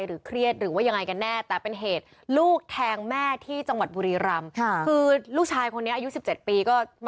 หรือเครียดหรือยังไงกันแน่แต่เป็นเหตุลูกแทงแม่ที่จังหวัดบุรีรัม